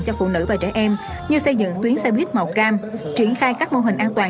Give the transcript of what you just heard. cho phụ nữ và trẻ em như xây dựng tuyến xe buýt màu cam triển khai các mô hình an toàn